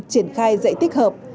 triển khai dạy tích hợp